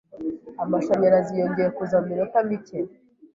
Amashanyarazi yongeye kuza muminota mike.